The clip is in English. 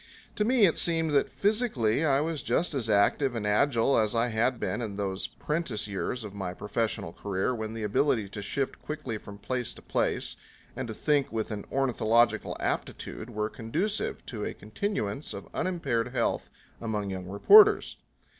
To me it seemed that physically I was just as active and agile as I had been in those 'prentice years of my professional career when the ability to shift quickly from place to place and to think with an ornithological aptitude were conducive to a continuance of unimpaired health among young reporters.